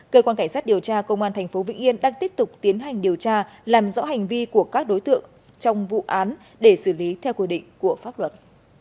cơ quan cảnh sát điều tra công an tp vĩnh yên đang tiếp tục tiến hành điều tra làm rõ hành vi của các đối tượng trong vụ án để xử lý theo quy định của pháp luật